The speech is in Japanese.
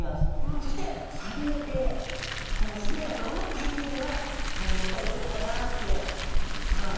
そして砂泥底この砂やどろのかいていでは何を食べてるかなって。